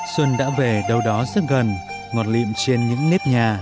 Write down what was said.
xuân đã về đâu đó rất gần ngọt lịm trên những nếp nhà